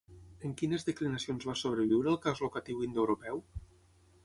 En quines declinacions va sobreviure el cas locatiu indoeuropeu?